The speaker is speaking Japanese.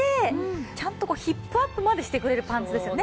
ちゃんとこうヒップアップまでしてくれるパンツですよね。